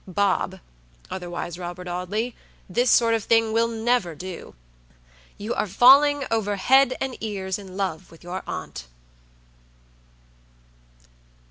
Bobotherwise Robert Audleythis sort of thing will never do; you are falling over head and ears in love with your aunt."